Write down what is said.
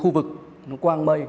khu vực nó quang mây